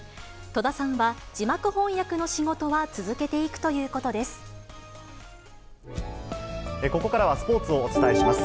戸田さんは字幕翻訳の仕事はここからはスポーツをお伝えします。